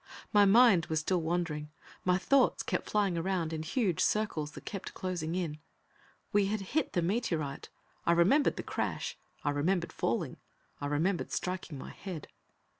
My mind was still wandering; my thoughts kept flying around in huge circles that kept closing in. We had hit the meteorite. I remembered the crash. I remembered falling. I remembered striking my head.